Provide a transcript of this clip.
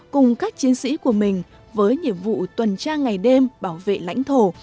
cùng các chiến sĩ của mình với nhiệm vụ tuần tra ngày đêm bảo vệ lãnh thổ